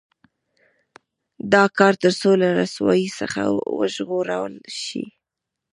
دا کار تر څو له رسوایۍ څخه وژغورل شي.